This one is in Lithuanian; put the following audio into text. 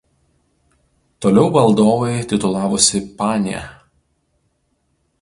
Toliau valdovai titulavosi "panya".